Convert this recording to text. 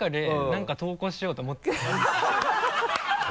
何か投稿しようと思ってた